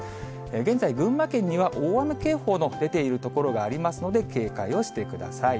現在、群馬県には大雨警報の出ている所がありますので、警戒をしてください。